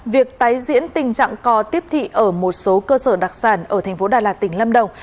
việc tái diễn tình trạng co tiếp thị ở một số cơ sở đặc sản ở thành phố đà lạt tỉnh lâm đồng